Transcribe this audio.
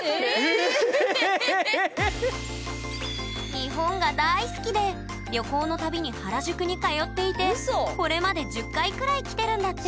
日本が大好きで旅行の度に原宿に通っていてこれまで１０回くらい来てるんだって！